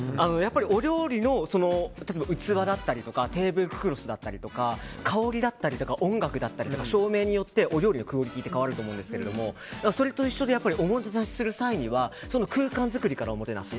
お料理の器だったりとかテーブルクロスだったり香りだったりとか音楽だったりとか照明によってお料理のクオリティーって変わると思うんですけどそれと一緒でおもてなしする際にはその空間作りから、おもてなし。